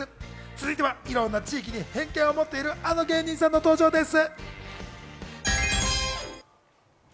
続いては、いろんな地域に偏見を持っているあの芸人さんの登場です。